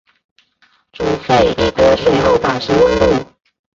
煮沸一锅水后保持温度。